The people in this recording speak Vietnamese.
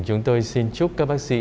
chúng tôi xin chúc các bác sĩ